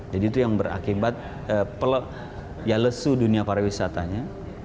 jadi itu yang berakibat peluk yalesu dunia pariwisatanya